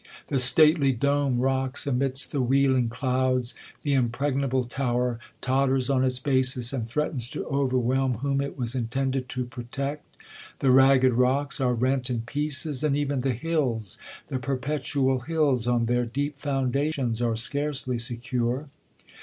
The stately dome rocks amidsl the wheeling clouds. The impregnable tower totteiJ' on its basis, and threatens to overvrhelm v/hom it wgs intended to protect. The ragged rocks are rent ii. pieces ; and even the hills, the perpetual hills, on their deep foundations are scarcely secure.